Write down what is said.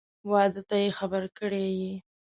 واده ته یې خبر کړی یې؟